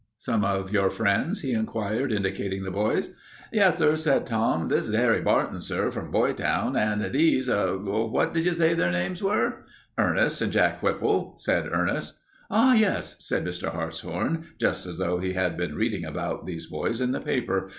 "Some of your friends?" he inquired, indicating the boys. "Yes, sir," said Tom. "This is Harry Barton, sir, from Boytown, and these what did you say your names were?" "Ernest and Jack Whipple," said Ernest. "Ah, yes," said Mr. Hartshorn, just as though he had been reading about these boys in the paper.